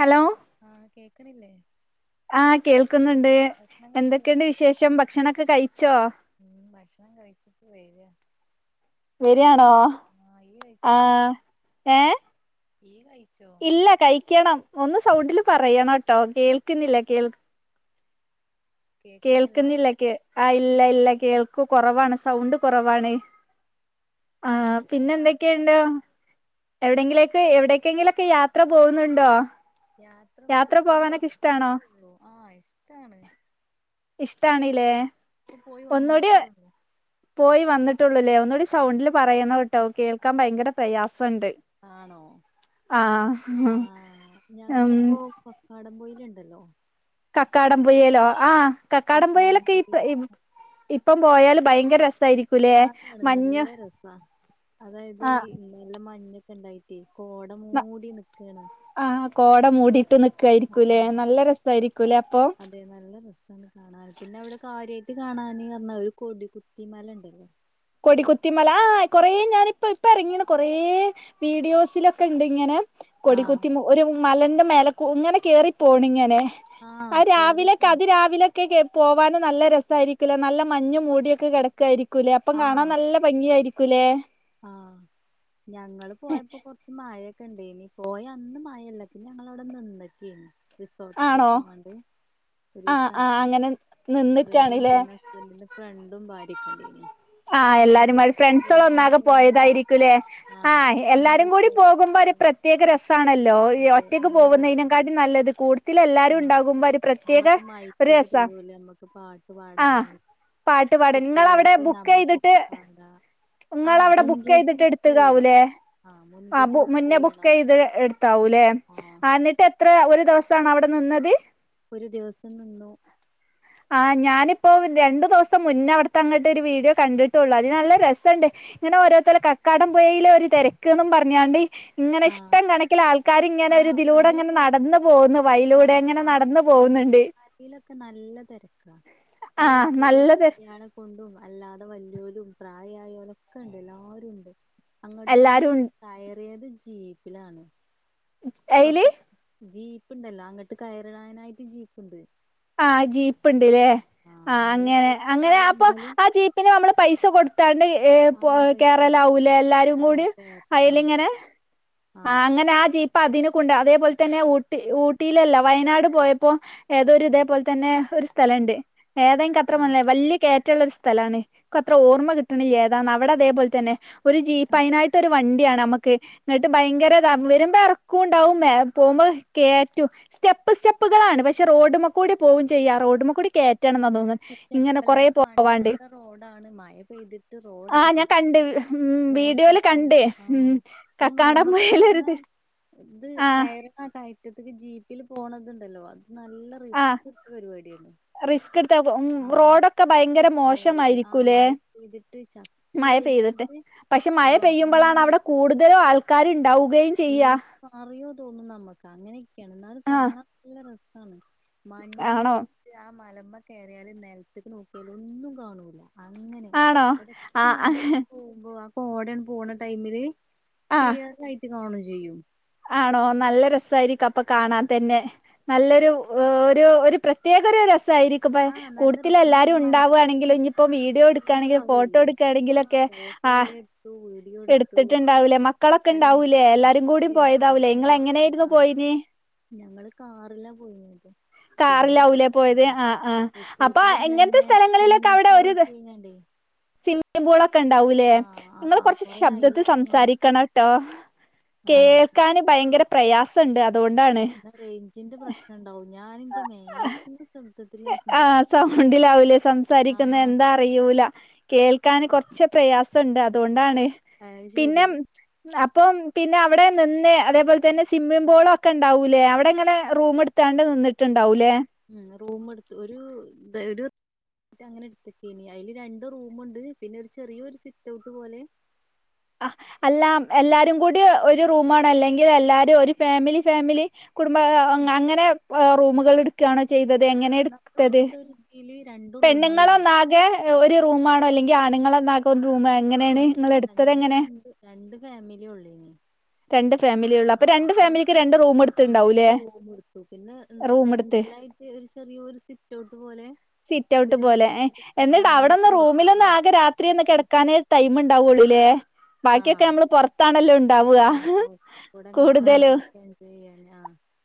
Hello ആഹ് കേക്കണില്ലേ ആഹ കേൾക്കുന്നുണ്ട് ഭക്ഷണം കഴിച്ചോ എന്തൊക്കെയുണ്ട് വിശേഷം ഭക്ഷണൊക്കെ കഴിച്ചോ വക വരിയാണോ കഴിച്ചോ ആഹ ഏ ഇയ്യ് കഴിച്ചോ ഇല്ല കഴിക്കണം ഒന്ന് സൗണ്ടില് പറയണംോ കേട്ടോ കേൾക്കുന്നില്ല കേൾ കേക്കുന്നില്ല കേൾക്കുന്നില്ലക്കെ ആ ഇല്ല ഇല്ല കേൾ കുറവാണ് സൗണ്ട് കുറവാാണ് ആ ആഹ് ഞാൻ പിന്നെ എന്തൊക്കെയുണ്ടോ പറയുന്നൊക്കെ കേ- എവിടെങ്കിലേക്ക് എവിടെ എക്കെങ്കിലൊക്കെ യാത്ര പോകുന്നുണ്ടോ യാത്ര ഇക്ക പോയി പോവാനൊക്കെ ഇഷ്ടാണോ വന്നിട്ടേള്ളൂ ആഹ ഇഷ്ടാണ് ഇഷ്ടാണല്ലേ ആഹ് ഇപ്പൊ പോയി ഒന്നുകൂടി വന്നിട്ടേള്ളൂ പോയി വന്നട്ട് േ ഒന്നുകൂടി ആഹ് സൗണ്ടില് പറയണ കേട്ടോ കേൾക്കാൻ ഭയങ്കര പ്രയാസംുണ്ട് ആണോ ആ ആഹ് ഉ ഉണ്ടല്ലോ കക്കാടം പുയ്യലോ ആ കക്കാടം കക്കാടംപയയിലൊക്കെ പൊയില് ഇ ഇപ്പം പോയാലും ഭയങ്കര രസായിരിക്കൂലേ ആണാണ് മഞ്ഞ് നല്ല രെസാ അതായത് ആ ഈ നല്ല മഞ്ഞ് ക്കെ ഇണ്ടായിട്ടേ കോട മൂടി നിക്കാണ്. ആഹ് കോട മൂടിട്ട് നി ആ അതെ നല്ല രെസാണ് കാണാൻ, പിന്നെ അവിടെ കാര്യ [unintelligible] കാണന് പറഞ്ഞാ ഒരു കൊടികുത്തി മല ഇണ്ടല്ലേ. കൊടിക്കുത്തിമലാ കൊറേ ഞാനിപ്പ ഇപ്പ ഇറങ്ങീണ് കൊറേ വീഡിയോസിലൊക്കെ ഇണ്ട് ഇങ്ങനെ. ആഹ് കൊടികുത്തി മ് ഒരു മലന്റെ മേലെ കൊ ഇങ്ങനെ കേറിപ്പോണിങ്ങനെ ആഹ് ആ കേറി രാവിലെക്കെ പോണം അതി രാവിലെക്കെ കേ പോവാനും നല്ല രെസായിരിക്കൂലോ നല്ല മഞ്ഞ് മൂടി ഒക്കെ കെടക്ക്‌ ആയിരിക്കൂല് ഇപ്പം കാണാൻ ആഹ് നല്ല ഭംഗി ആയിരിക്കും. ക്കുലെ. ആഹ് ഞങ്ങള് പോയപ്പോ കൊറച്ച് മയ കണ്ടേനി പോയ അന്ന് മയല്ല പിന്നെ ഞങ്ങൾ അവിടെ നിന്നിക്കേനി റിസോട്ട് ആണോ എടുത്തിങ്ങാണ്ട് ആഹ് ഒരീസം ആഹ് അങ്ങനെ ഹസ്ബന്റും നിന്ന്ക്കാണ്ല്ലേ പിന്നെ ഹസ്ബന്റിന്റെ ഫ്രണ്ടും ഭാര്യേം കണ്ടീനി ആഹ് എല്ലാരേംമാരി ഫ്രണ്ട്സ്കൾ ഒന്നാകെ പോയിങ്ങാണ്ട് പോയതായിരിക്കുലെ ആഹ് അങ്ങനെ എല്ലാരുംകൂടി റിസോർട്ട് പോകുമ്പൊ ഒരു പ്രത്യേക രസാണല്ലോ അതെ ഒറ്റക്ക് നല്ല രസാണ് പോവുന്നെനക്കാട്ടി നല്ലത് കൂടത്തിലെല്ലാവരും ആഹ് ഉണ്ടാകുമ്പൊ ഒരു പ്രത്യേക നമ്മക്ക് ഒരു മൈക്കൊക്കെ രസാ തരുവോലോ നമ്മക്ക് പാട്ട് ആഹ് പാടാന് പാട്ടുപാടങ്ങളെ അവിടെ വേണ്ട ങ്ങളെ അവിടെ ബുക്കെയ്തിട്ട് എടുത്തതാവൂല്ലേ ആഹ് ആ മുൻകൂട്ടി ബുക്ക് മുന്നേ ചെയ്യണം ബുക്കെയ്ത് എടുത്താവൂല്ലേ ആഹ് ആ എന്നിട്ട് എത്ര ഒരു ദിവസാണ അവിടെ നിന്നത് ഒരു ദിവസം നിന്നു ആ ഞാനിപ്പോ രണ്ടു ദിവസം മുന്നേ അവിടുത്തങ്ങോട്ട് ഒരു വീഡിയോ കണ്ടിട്ടുള്ളു അതിൽ നല്ല രസണ്ട് ഇങ്ങനെ ഓരോത്തോരൽ കക്കാടം പുഴയിലെ ഒരു തിരക്ക്ന്നും പറഞ്ഞാണ്ട് ഇങ്ങനെ ആ ഇഷ്ടം കണക്കിൽ ആൾക്കാര് ഇങ്ങനെ ആ ഒരു ഇതിലൂടെ നല്ല ഇങ്ങനെ തിരക്ക് നടന്നു പോകുന്നു ആ വഴിയിലൂടെ ഇങ്ങനെ ആ നടന്നു കൊടി [unintelligible] പോകുന്നുണ്ട് ലൊക്കെ നല്ല തിരക്ക അത ആഹ് ചെറിയ നല്ല തെ കുട്ടിയളെ കൊണ്ടും അല്ലാതെ വല യോലും പ്രായമായോലൊക്കെ ഉണ്ട് എല്ലരുംഉണ്ട് അങ്ങട്ട് എല്ലാരും ഞങ്ങള് ഉണ്ട് കയ ഏത് ജീപ്പിലാണ് [inaudible] അയില് ജീ പ്പ്ണ്ടല്ലോ അങ്ങട്ട് കയറാനായിട്ട് ജീപ്പ്ണ്ട് ആഹ ജീപ്പ്ൺ ല്ലേ ആ നല്ല അങ്ങനെ പൈസൊക്കെ അങ്ങനെ ആവും അപ്പൊ എന്നാലും ആ ജീപ്പിന് നമ്മള് പൈസ കൊടുത്താണ്ട് ആഹ് [unintelligible] പൈസ കൊടുക്കും കേറലാവൂലെ എല്ലാരും ആ കൂടി കേരളം അയിലിങ്ങനെ ആ അങ്ങനെ ആ ജീപ്പ അതിന് ണ്ട് അതേപോലെ തന്നെ ഊട്ടി ഊട്ടിയിലല്ല വയനാട് പോയപ്പോ ഏതോര് ഇത അതുപോലെ തന്നെ ഒരു സ്ഥലംണ്ട് ഏതെ [unintelligible] ആ അത്രമല്ലേ വലിയ കേറ്റള്ള ഒരു സ് സ്ഥലമാണ് എനിക്ക് അത്ര ഓർമ്മ കിട്ടണില്ല ഏതാന്ന് അവിടെ ഇതേപോലെ തന്നെ ഒരു ജീപ്പ് ആ അതിനായിട്ട് ഒരു വണ്ടിയാണ് നമ്മക്ക് എന്നിട്ട് ഭയങ്കര വരുമ്പോ ഇറക്കുംണ്ടാവും പോകുമ്പോ കേറ്റും സ്റ്റെപ്പ് സ്റ്റെപ്പുകളാണ് പക്ഷെ റോഡും കൂടി പോവും ചെയ്യ റോഡ്മെകൂടി കേ സ്റ്റെപ്പല്ല അത് മണ്ണിട്ട റോഡാണ് മഴ പെയ്തിട്ട് ആ റോഡൊക്കെ ഞാൻ കണ്ട് പറ്റ ഉം വീഡിയോല് മോശമായിക്ക്ണ് കണ്ട് ആ ഉം ഈ മലമക്ക് പോണ കക്കാടംപുഴയിലൊരിത് ഇത് ആ കയറ്ണ കയ റ്റത്തക്ക് ജീപ്പിൽ പോണതുണ്ടല്ലോ അത് നല്ല ആ റിസ്ക് എടുത്ത പരിപാടിയാണ് ആ [unintelligible] റോഡൊക്കെ ഭയങ്കര റോഡ് ആ മോശമായിരിക്കൂലേ മഴ പെയ്തിട്ട് മഴ ചപ്പിളി പെയ്തിട്ട് ആയിങ്ങാണ്ട് പക്ഷേ ആ മഴ പെയ്യുമ്പളാണ് അവിടെ കൂടുതലും ആൾക്കാര് ഉണ്ടാവുക ജീപ്പ് മറിയോ തോന്നും നമ്മക്ക് അങ്ങനെയൊക്കെയാണ് എന്നാലും ആഹ് കാണാൻ നല്ല രസ ആ മഞ്ഞ് ആണോ മൂടിട്ട് ആ മലമ്മ കയറിയാല് നെൽത്ത്ക്ക് നോക്കിയാല് ഒന്നും കാണൂല്ല ആണോ ആ ആ പോട പോണ ടൈമില് ആഹ് ക്ലിയർ ആയി കാണും ചെയ്യും ആണോ നല്ല രസമായിരിക്കപ്പ് ഇപ്പൊ കാണാൻ തന്നെ നല്ലൊരു ഒരു ഒരു പ്രത്യേക ഒരു രസം ആയിരിക്കും അപ്പ ആഹ് നല്ല കൂട്ടത്തിൽ രസം എല്ലാരും നമ്മളെ മനസ്സൊക്കെ ഉണ്ടാവുകയാണെങ്കിലും ഒന്ന് ഇനിയിപ്പോ വീഡിയോ ഫ്രീ എടുക്കയാണെങ്കിലും ഫോട്ടോ ആവല്ലേ ആഹ് എടുക്കുകയാണെങ്കിലുംക്കെ ഫോട്ടോ ആ കൊറേ എടുത്തു വീഡിയോ എടുത്തു എടുത്തിട്ടുണ്ടാവൂലേ മക്കളൊക്കെ മക്കളെ ഉണ്ടാവൂലേ എല്ലാരും കൂടിം [unintelligible] ഞങ്ങള് കാറിലാ പോയിന്നത് പിന്നെ കാറിലാവൂലേ ആ പോയത് ആഹ് ആഹ് അപ്പൊ റിസോർട്ടിലും എങ്ങൻത്തെ തന്നെ സ്ഥലങ്ങളിലൊക്കെ സ്വിമ്മിംഗ് അവിടെ ഒരു പൂളൊക്കെ ആയിങ്ങാണ്ടേ സിമ്മിപൂളൊക്കെ ട്ട ഉണ്ടാവൂലേ ആഹ് നിങ്ങ ആ കൊറച്ച് കൊറേ ശബ്ദത്തിൽ അയിലൊക്കെ അങ്ങനെ സംസാരിക്കണം ട്ടോ കേ ആണോ ഭയങ്കര പ്രയാസംണ്ട് അത്‌ റേഞ്ചിന്റെ പ്രശ്നം ഉണ്ടാവും ഞാ ഞാൻ എന്റെ മാക്സിമം സം ആ സൗണ്ടിലാവൂലേ സംസാരിക്കുന്നേ ആഹ് എന്താ അറിയൂല കേൾ ക്കാൻ കൊർച്ച് പ്രയാസണ്ട് അതുകൊണ്ടാണ് അത് ശരി പിന്നം അ ഇപ്പം പിന്നെ അവിടെ നിന്ന് അതേപോലെ തന്നെ സ്വിമ്മിംഗ് പൂള് ഒക്കെ ഉണ്ടാവൂലേ അവിടെ ഇങ്ങനെ റൂം എടുത്താണ്ട് നിന്നിട്ടുണ്ടാവൂലേ ഉം റൂം എടുത്ത് ഒരു തെരൂ അങ്ങനെ എടുത്തൊക്ക അയില് രണ്ട് റൂമുണ്ട് പിന്നെ ഒരു ചെറിയൊ ഒരു സിറ്റ് ഔട്ട് പോലെ ആ എല്ലാം എല്ലാരും കൂടി ഒരു റൂമണ് അല്ലെങ്കിൽ എല്ലാരും ഒരു ഫാമിലി ഫാമിലി കുടുംബ ആ, അങ്ങനെ റൂമുകൾ എടുക്കയാണ് ചെയ്തത് എങ്ങനെ എടുത്തത് നാടുവിട്ടൊരു ഇതിൽ പെണ്ണുങ്ങളൊന്നാകെ ഒരു റൂമാണോ അല്ലെങ്കിൽ ആണ്ണുങ്ങൾ ഒന്ന റും എങ്ങനെയാണ് നിങ്ങള് എടുത്തത് എങ്ങനെ ഫാമിലി ഉള്ളിന രണ്ട് ഫാമിലിള്ള അപ്പൊ രണ്ട് ഫാമിലിക്ക് രണ്ട് റൂമ ആ എടുത്ത്ണ്ടാവൂല്ലേ രണ്ട് റൂം എടുത്തു പിന്നെ റൂമ എടുത്ത് സെൻട്രലായിട്ട് ഒരു ചെറിയൊരു സിറ്റ് ഔട്ട് പോലെ സിറ്റ് ഔട്ട് ഒരു പോലെ മേശക്കെങ്ങണ എന്നിട്ട് അവിടെന്ന് നമ്മുക്ക് റൂമിലൊന്ന് ഇരിക്കങ്ങനെ ആകെ രാത്രി ഒന്ന് കിടക്കൻ ടൈമ ഉണ്ടാവുള്ളൂല്ലേ ബാക്കിയൊക്കെ ആഹ് നമ്മള് പുറത്താണല്ലോ ഉ താവു ആഹ് അപ്പൊ കൂടെ അങ്ങനെ നടന്നൊക്കെ എൻജോയ് ചെയ്യല്ലേ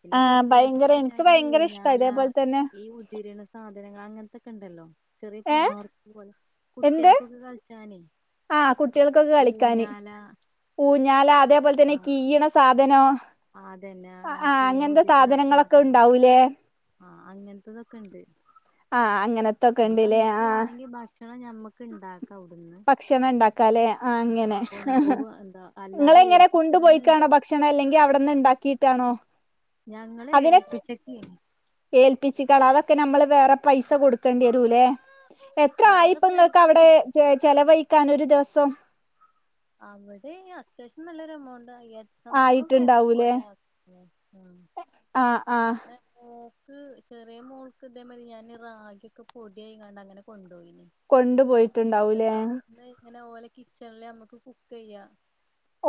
പിന്നെ ആഹ് കുട്ടികൾക്ക് ഭയങ്കര എനിക്ക് കളിച്ചൻ ഈ ഭയങ്കര ഇഷ്ട ഊഞ്ഞാല അതേപോലെ തന്നെ ഈ ഉദിരണ സാധനങ്ങൾ അങ്ങനത്തൊക്കെ ഉണ്ടല്ലോ ചെറിയ ഏ പാർക്ക് പോലത്തെ എന്ത് കുട്ടികക്കൊക്കെ കളിച്ച ഇടനെ ആ കുട്ടികൾക്കൊക്കെ കളിക്കാന് ഞാല അതേപോലെ തന്നെ ആഹ് കിയെന്ന സാധന ഇതിനോ അതന്നെ ആ ആ കീണ അങ്ങനത്തെ സാധനങ്ങളൊക്കെ ഉണ്ടാവൂലേ ആ അങ്ങന തൊക്കെണ്ട് ആ അങ്ങനത്തൊക്കെ പി ഉണ്ട്ല്ലേ നമ്മക്ക് ആ വേണെങ്കി ഭക്ഷ ഭക്ഷണം ഉണ്ടാക്ക അല്ലെ ആ ആഹ് അങ്ങനെ കൊണ്ടുപോവ എന്താ നിങ്ങള് അല്ലാതെ എങ്ങനെ കൊണ്ടുപോയിക്കണോ ഏൽപ്പിക്കുകയാണെങ്കിൽ ഭക്ഷണം അല്ലെങ്കിൽ അവിടെന്ന് ഉണ്ടാക്കി് ട്ട് ആണോ ഞങ്ങള് ഏൽപ്പിചിട്ടില്ല ഏൽപ്പിച്ചിക്കള അതൊക്കെ നമ്മള് വേറെ പൈസ കൊടുക്കേണ്ടി വരുല്ലേ എത്ര വേറെ ആയപ്പങ്ങൾക്ക് പൈസ അവിടെ കൊടുക്കും ചെലവഴി ക്കാനരു ദിവസം അവിടെ അയിന് അത്യാവശ്യം നല്ലൊരു എമൗണ്ട് [unintelligible] അയ്യാര്ത്തി സംതിങ് ഒക്കെ ആയക്കും ആയിട്ടുണ്ടാവൂലേ ഒരാക്ക് ഉം ആ ആ [unintelligible] ക്ക് ചെറെ മോൾക്ക് ഇതേ മാതിരി ഞാൻ റാഗിയൊക്കെ പൊടി അയിങ്ങാണ്ട് അങ്ങനെ കൊൺ കൊണ്ട് പോയിട്ട് ഇണ്ടാവും ലെ അങ്ങനെ ഓലെ കിച്ചൺൽ നമ്മക്ക് കുക്കെയ്യ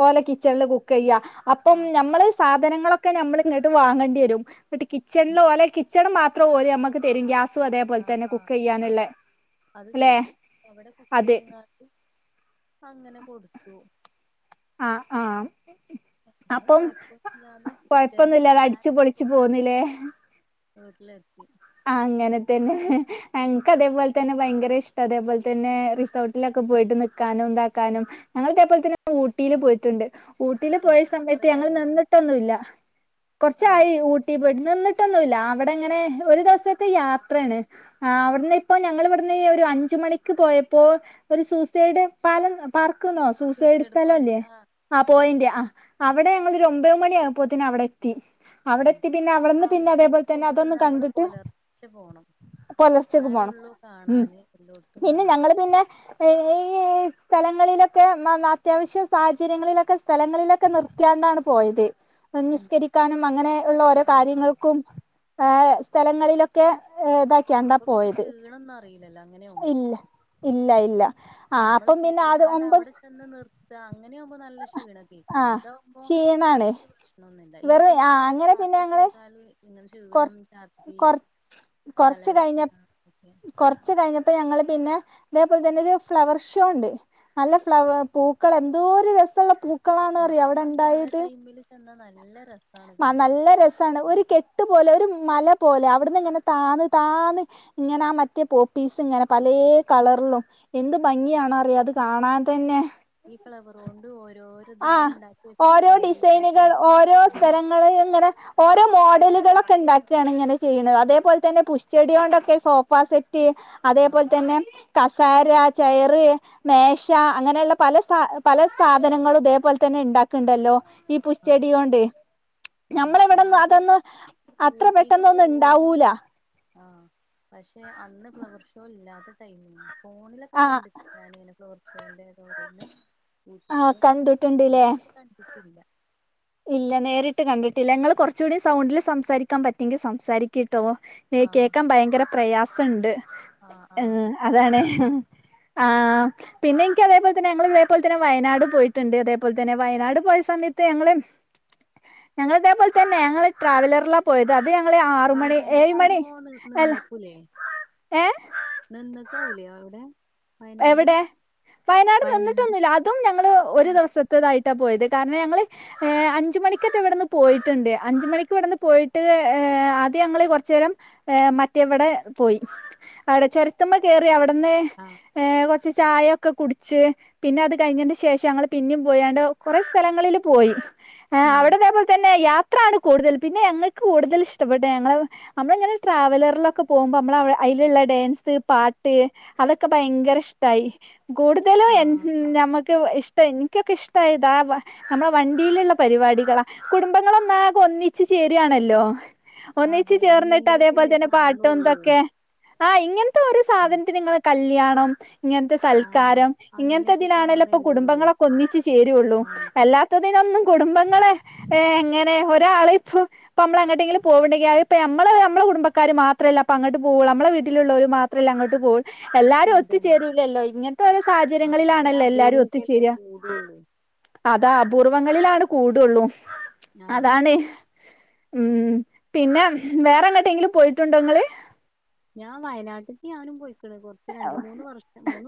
ഓലെ കിച്ചൺല് കുക്ക് ചെയ്യ അപ്പം ആഹ് ഞമ്മൾ സാധനങ്ങളൊ ക്കെ നമ്മൾ ഇങ്ങട്ട് വാങ്ങേണ്ടെരും ഇങ്ങട്ട് കിച്ചൺൽ ഓലെ കി ച്ചൺമാത്രം ഓൽ ഞമ്മക്ക് തരും ഗ്യാ- ആ ആ ആ അത് അല്ലെ തരും അവിടെ കുക്ക് അത് ചെയ്ത്ങ്ങാണ്ട് അങ്ങനെ കൊട്ത്തു ആഹ് ആഹ് അപ്പം കൊഴപ്പൊന്നും പിറ്റേന്ന് ഇല്ലാതെ അടിച്ച് വൈന്നേരം പൊളിച്ച് ആയപ്പോത്തിന് പോന്ന് ലെ വീട്ടിലെത്തി ആ അങ്ങനെ തന്നെ ഞങ്ങക്ക് അതേപോലെ തന്നെ ഭയങ്കര ഇഷ്ടം അതേപോലെ തന്നെ റിസോർട്ടിലൊക്കെ പോയിട്ട് നിക്കാനും ഇതാക്കാനും ഞങ്ങൾ ഇതേപോലെ തന്നെ ഊട്ടിൽ പോയിട്ട്ണ്ട് ഊട്ടിൽ ഏഹ് പോയ സമയത്ത് കൊറേ ഞങ്ങൾ ആയോ പോയിട്ട് നിന്നിട്ടൊന്നുയില്ല ആഹ് കൊറച്ചായി ഊട്ടി പോയി നിന്നിട്ടൊന്നുയില്ല അവ്‌ടെങ്ങനെ ഒരു ദിവസത്തെ യാത്രയാണ് ആ അവ്ടന്ന് ഇപ്പോ ഞങ്ങൾ ഇവട്ന്ന് ഒരു അഞ്ച് മണിക്ക് പോയപ്പോൾ ഒരു സൂസെഡ് പാലം പാർ ക്ക്ന്നോ സൂസൈഡ് സൂയിസൈഡ് സ്ഥലം അല്ലേ പോയിന്റ് ആഹ് ആ പോയിന്റ് ആ അവിടെ ഞങ്ങൾ ഒര് ഒമ്പെ മണി ആയപ്പോത്തിന് അവിടെ എത്തി അവിടെ എത്തി പിന്നെ അവിടുന്ന് പിന്നെ അതേപോലെ തന്നെ അതൊന്ന് കണ്ട് പൊലർച്ച പോണം പോണം ഇന്നാലൊള്ളു ഉം കാണാന് എല്ലോട്ത്തും പിന്നെ കാണാൻ ഞങ്ങള് പറ്റെ പിന്നെ ഈ സ്ഥലങ്ങളിലൊക്കെ മന്നാ അത്യാവശ്യ സാചര്യങ്ങളിലൊക്കെ സ്ഥലങ്ങളിലൊക്കെ നിർത്തിയാണ്ടാണ് പോയത് നിസ്കരിക്കാനും അങ്ങനെ ഉള്ള ഓരോ ആ ആ കാര്യങ്ങൾക്കും ഏ എ സ്ഥലങ്ങളിലൊക്കെ ഏ ഇതാക്കിയാണ്ടാ അപ്പൊ പിന്നെ പോയത് ക്ഷീണൊന്നും അറിയില്ലല്ലോ ഇല്ല ഇല്ല ഇല്ല ആഹ് നമ്മൾ അപ്പം പിന്നെ അത് കേരിങ്ങാണ്ട് ഒമ്പത് അവിടെ ചെന്ന് നിർ ത്താ അങ്ങനെയ ആവുമ്പോ നല്ല ക്ഷീണ കേൾക്കാറും ആഹ് ഇതാകുമ്പോ ക്ഷീണാണ് അങ്ങനത്തെ പ്രശ്നമൊന്നുമില്ല എനിക്കൊക്കെല് യാത്ര ചെയ്താല് ഇങ്ങനെ കൊ ക്ഷീണം ഛർദി കൊ കൊറച്ച് കഴിഞ്ഞ തലവേദന ഒക്കെ കൊറച്ച് കഴിഞ്ഞപ്പോ ഞങ്ങള് പിന്നെ അതേപോലെ തന്നെ ഒരു ഫ്ലവർ ഷോ ഉണ്ട് നല്ല ഫ്ലവ പൂക്കൾ എന്തോ രസമുള്ള പൂക്കളാണ് ആ അറിയോ അവിടെ അതില്ല ഉണ്ടായത് ടൈമില് ചെന്ന നല്ല നല്ല രെസം നല്ല രസമാണ് ഒരു കെട്ട് പോലെ ഒരു മല പോലെ അവിടന്ന് ഇങ്ങനെ താന്ന താന്ന ഇങ്ങനെ ആ മറ്റേ പോപ്പീസ് ഇങ്ങനെ പല കളറിലും എന്ത് ഭംഗിയണോ അറിയ അത് കാണാൻ തന്നെ ഇപ്പെ അവർ ഒണ്ട് ആ ഓരോ ഡിസൈനുകൾ രൂപങ്ങള് ഓരോ ആ സ്ഥലങ്ങ ഇങ്ങനെ ഓരോ മോഡലുകളൊക്കെ ഉണ്ടാക്കുകാണ് ഇങ്ങനെ ചെയ്യുന്നത് അതേപോലെ തന്നെ പുഷച്ചെടിയ കൊണ്ടൊക്കെ സോഫ സെറ്റ് ആഹ് അതേപോലെ തന്നെ സര ചയറ് മേശ അങ്ങനെയുള്ള പല പല സാധനങ്ങളും അതേപോലെ തന്നെ ഉണ്ടാക്കണ്ടല്ലോ ഈ ആഹ് പുസ്ചെടിയൊണ്ട് ആഹ് ആഹ് നഞമ്മള ഇവിടെന്ന് ഞാന് അതൊന്ന് അത്ര പെട്ടെന്ന ഒന്നും ഇണ്ടാവൂല ആഹ പക്ഷെ അന്ന് ഫ്ലവർ ഷോ ഇല്ലാത്ത ടൈം ഫോണിലൊക്കെ ആഹ് കണ്ട ഞാന ഇങ്ങനെ ഫ്ലവർ ഷോരോന്ന് ആഹ് കൂട്ടിയിട്ട് കണ്ടിട്ടുണ്ട്ല്ലേ നേരിട്ട് കണ്ടിട്ടില്ല ഇല്ല നേരിട്ട് കണ്ടിട്ടില്ല ഇങ്ങള് കുറച്ചുകൂടി സൗണ്ടിൽ സംസാരിക്കാൻ പറ്റെങ്ക സംസാരിക്കട്ട കേട്ടോ ആഹ് കേൾക്കാൻ ഭയങ്കര പ്രയാസം ണ്ട് ആഹ് ആ ആഹ് അതാണ് ആ പിന്നെ എനിക്ക് അതേപോലെ തന്നെ ഞങ്ങൾ ഇതേപോലെ തന്നെ വയനാട് പോയിട്ടുണ്ട് അതേപോലെ തന്നെ വയനാട് പോയ സമയത്ത് ഞങ്ങള് ഞങ്ങള ഇതേപോലെ തന്നെ ഞങ്ങ ട്രാവലറിലാ പോയത് അത് ഞങ്ങള് ആറ് മണി ഏഴ് മണി വയനാടിലാവുമ്പോ നി അല്ല നിന്നക്കൂലേ ഏഹ് നിന്നക്കാവൂലോ അവിടെ വയനാട് എവിടെ വയനാട് നിന്നിട്ടൊന്നുമില്ല അതും ഞങ്ങള് ഒരു ഉം ദിവസത്തേതായിട്ട് പോയത് കാരണം ഞങ്ങള്ൾ ് അഞ്ചു മണിക്കൊട്ട ഇവിടുന്ന് പോയിട്ടുണ്ട് അഞ്ച മണിക്ക് ഇവിടെന്ന് പോയിട്ട് ആദ്യം ഞങ്ങള്ൾ കൊറച്ച നേരം ് മറ്റേവിടെ പോയി അവിടെ ചൊരത്തുമമ്മ കറി അവിടെ അവിടന്ന് ആഹ് കുറച്ച ചായൊക്കെ കുടിച്ച് പിന്നെ അത് കഴിഞ്ഞിന്റെ ശേഷം ഞങ്ങള്ൾ പിന്നും പോയാണ്ട് കുറ സ്ഥലങ്ങളിൽ പോയി ആ ഉം അവിടതേ പോലെ തന്നെ യാത്ര അത്രാണ് കൂടുതൽ പിന്നെ ഞങ്ങൾക്ക് കൂടുതൽ ഇഷ്ടപ്പെട്ടത് ഞങ്ങ നമ്മളിങ്ങനെ ട്രാവലറിലൊക്കെ പോകുമ്പോൾ നമ്മ അതിലുള്ള ഡാൻസ് പാട്ട് അതൊക്കെ ഭയങ്കര ഇഷ്ടായി കൂടുതലും ആഹ് ആഹ് നമുക്ക് ഇഷ എനിക്കൊക്കെ ഇഷ്ടായത നമ്മളെ വണ്ടിയിലുള്ള പരിപാടികളാ കുടുംബങ്ങളൊന്നാ ഒന്നിച്ച് ചേരയാണല്ലോ ഒന്നിച്ച് അതെ ചേർന്നിട്ട് അതേപോലെ എന്തെങ്കിലൊക്കെല്ലേ തന്നെ പാട്ടും കാണുള്ളൂ ന്തൊക്കെ ആഹ് ഇങ്ങെനെ ത്തെ ഒര് ആഹ് സാധെൻത്തിന് ഇങ്ങൾ കൽ ല്ല്യാണം ഇങ്ങെൻത്തെ ആഹ് സൽക്കാരം ഇങ്ങെൻത്തെ അങ്ങനെയൊക്കെ ഇതിനാണെല്ലോ ഇപ്പം കാണല്ലേള്ളൂ കുടുംബങ്ങളൊക്കെ ഒന്നിച്ച് ചേര് ഒള്ളു ആഹ് അല്ലാത്തതിനൊന്നും കുടുംബങ്ങെളെ ഏ എങ്ങെനെ ഒരാൾ ഇപ്പോ ഇപ്പ അമ്മെൾ എങ്ങെട്ടെങ്കിൽ പോവ് ഇണ്ടെങ്കി അയ് ഇപ്പം അമ്മെൾ അമ്മെളെ കുടുംബക്കാര് മാത്രം അല്ലെ അപ്പ അങ്ങെട്ട് പോവുള്ളു അമ്മെളെ വീട്ടിലുള്ളോര് മാത്രം അല്ലെ അങ്ങെട്ട് പോവുള്ളു എല്ലാരും ഒത്ത് അതന്നെ ചേരൂലല്ലോ ഇങ്ങെൻത്തെ ഓരോ ആഹ് അങ്ങനെ സാഹചര്യങ്ങളിലാണെല്ലോ എല്ലാരും ഒത്ത് അപൂർവൊക്കെല്ലേ ചേരാ കൂടുള്ളൂ അതാ അപൂർവ്വങ്ങളിലാണ് കൂടു ഒള്ളു ആഹ് അതാണെയ് ഉം പിന്നെ വേറെ എങ്ങെട്ടെങ്കിലും പോയിട്ട് ഇണ്ടോ ഇങ്ങെൾ ഞാ വയനാട്ട്ക്ക് ഞാനും പോയിക്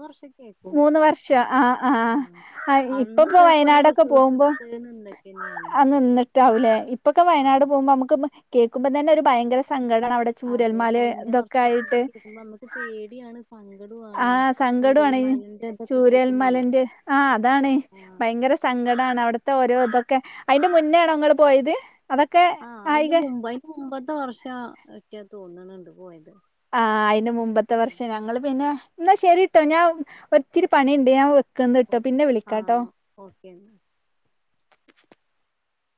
വർഷൊക്കേക്കും മൂന്ന് വർഷം ആഹ് ആഹ് ഇപ്പ അന്നും ഇപ്പൊ ഇതേപോലെ വയനാടൊക്കെ റിസോർട്ട് പോവുമ്പോ എടുത്ത് നിന്നൊക്കെന്നെയാണ് അ നിന്നിട്ട് ആവുലെ ഇപ്പൊക്കെ ആഹ് വയനാട് പോവുമ്പോ അമ്മെക്ക് ഭയ കേക്കുമ്പോ തന്നെ ഒരു ബയങ്കര സങ്കടാണ് അവിടെ അതെ ചുരൽമലെ കഴിഞ്ഞ ഇതൊക്കെ വർഷത്തത് ആയിട്ട് കേക്കുമ്പോ നമ്മക്ക് പേടിയാണ് ആ സങ്കടോണ് സങ്കടോവാണ് ചൂരൽമലന്റെ ഇതൊക്കെ ചൂരൽ കേക്കുമ്പളേ മലേന്റെ ആഹ് അതാണെ ആഹ് ഭയങ്കര സങ്കടാണ് അവിട ത്താ ഓരോ ഇതൊക്കെ അയിന്റെ മുന്നേയാണോ ങ്ങള് പോയത് അതൊക്കെ ആ അയിന്റെ ആയിക മുമ്പ് അയിന്റെ മുമ്പത്തെ വർഷവാ [unintelligible] തോന്ന്ണ് ണ്ട് പോയത് ആ അയിന് മുമ്പത്തെ ആഹ് വർഷം ഞങ്ങള് പിന്നെ എന്നാ ശെരിട്ടോ ഞാൻ ഒത്തിരി പണിണ്ട് ഞാൻ ഓ ന്ന്ട്ടോ പിന്നെ വിളിക്കാട്ടോ ആഹ് ഓക്കെ